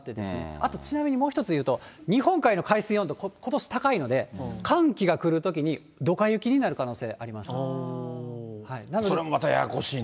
あとちなみにもう一つ言うと、日本海の海水温度、ことし高いので、寒気が来るときに、それもまたややこしいね。